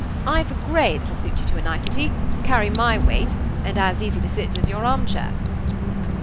I've a gray that'll suit you to a nicety carry my weight, and as easy to sit as your arm chair."